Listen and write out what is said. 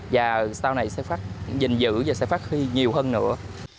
và sau này sẽ phát dình dữ và sẽ phát khi nhiều hơn nữa